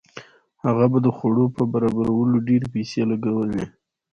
هغه به د خوړو په برابرولو ډېرې پیسې لګولې.